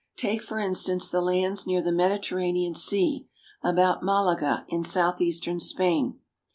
Take, for instance, the lands near the Mediterranean Sea about Malaga in southeastern Spain.